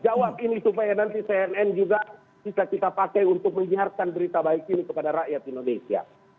jawab ini supaya nanti cnn juga bisa kita pakai untuk menyiarkan berita baik ini kepada rakyat indonesia